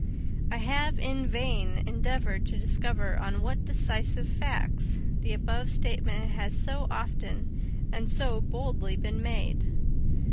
I have in vain endeavoured to discover on what decisive facts the above statement has so often and so boldly been made.